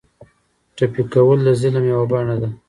ټپي کول د ظلم یوه بڼه ده.